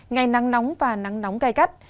ngày nắng nóng và nắng nóng cay cắt